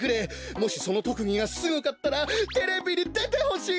もしそのとくぎがすごかったらテレビにでてほしい！